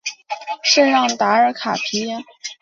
圣让达尔卡皮耶。